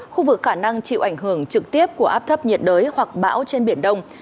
khu vực khả năng chịu ảnh hưởng trực tiếp của áp thấp nhiệt đới hoặc bão trên biển đông